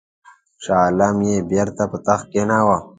شاه عالم یې بیرته پر تخت کښېناوه.